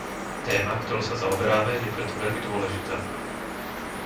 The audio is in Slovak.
Téma, ktorou sa zaoberáme, je preto veľmi dôležitá.